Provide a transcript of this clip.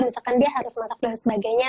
misalkan dia harus masak dan sebagainya